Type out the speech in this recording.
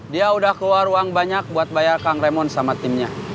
dia udah keluar uang banyak buat bayar kang remond sama timnya